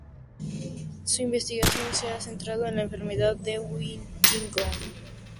Su investigación se ha centrado en la enfermedad de Huntington.